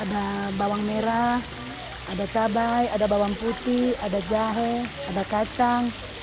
ada bawang merah ada cabai ada bawang putih ada jahe ada kacang